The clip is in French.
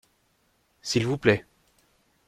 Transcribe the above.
S’il vous plait.